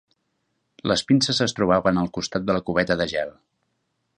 Les pinces es trobaven al costat de la cubeta de gel.